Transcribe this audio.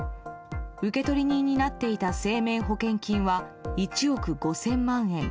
受取人になっていた生命保険金は１億５０００万円。